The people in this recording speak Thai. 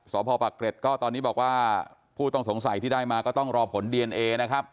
สพปะเกร็ดก็ตอนนี้บอกว่าผู้ต้องสงสัยที่ได้มาก็ต้องรอผลดีเอนเอนะครับ